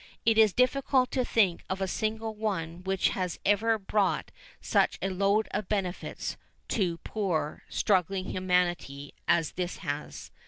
It is difficult to think of a single one which has ever brought such a load of benefits to poor, struggling humanity as this has.